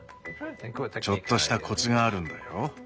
ちょっとしたコツがあるんだよ。